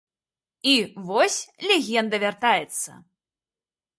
І вось, легенда вяртаецца!